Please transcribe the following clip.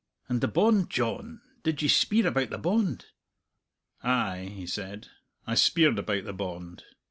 "And the bond, John did ye speir about the bond?" "Ay," he said, "I speired about the bond.